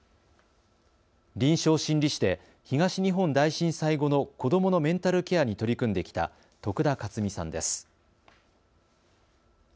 臨床心理士で東日本大震災後の子どものメンタルケアに取り組んできた徳田克己さんです。